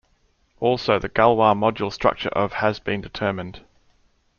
Also, the Galois module structure of has been determined.